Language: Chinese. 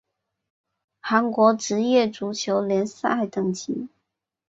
韩国职业足球联赛等级